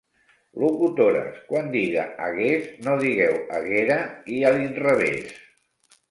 Locutores, quan diga 'hagués' no digueu 'haguera', i a l'inrevès.